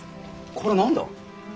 これは何だ？